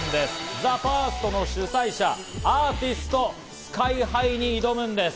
ＴＨＥＦＩＲＳＴの主催者・アーティストＳＫＹ−ＨＩに挑むんです。